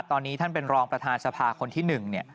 ตอนนี้ท่านเป็นรองประธานสภาคนที่๑เนี่ย